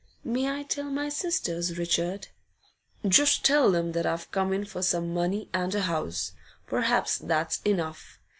'May I tell my sisters, Richard?' 'Just tell them that I've come in for some money and a house, perhaps that's enough.